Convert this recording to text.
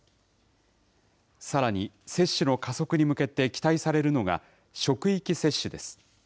さらに接種の加速に向けて期待されるのが、職域接種です。